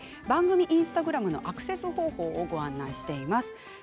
番組インスタグラムのアクセス方法をご案内しています。